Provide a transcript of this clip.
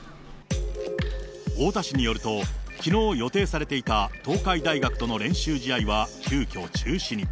太田市によると、きのう予定されていた東海大学との練習試合は、急きょ中止に。